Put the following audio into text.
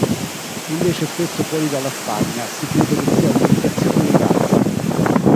Invece spesso fuori dalla Spagna si crede che sia un’indicazione di razza.